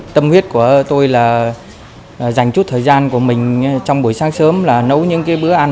tâm huyết của tôi là dành chút thời gian của mình trong buổi sáng sớm là nấu những bữa ăn